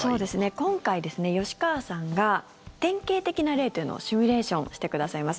今回、吉川さんが典型的な例というのをシミュレーションしてくださいます。